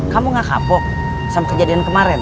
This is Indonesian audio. kamu gak kapok sama kejadian kemarin